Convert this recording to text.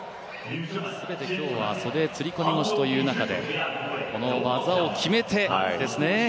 全て今日は袖釣込腰という中で、この技を決めてですね。